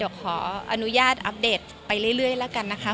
เดี๋ยวขออนุญาตอัปเดตไปเรื่อยแล้วกันนะคะ